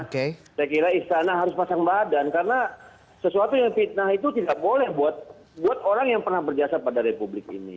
saya kira istana harus pasang badan karena sesuatu yang fitnah itu tidak boleh buat orang yang pernah berjasa pada republik ini